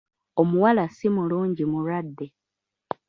Omuwala si mulungi Mulwadde.